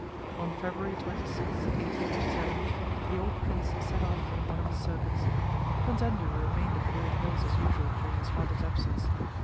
On February 26, 1807, the old prince set off on one of his circuits. Prince Andrew remained at Bald Hills as usual during his father's absence.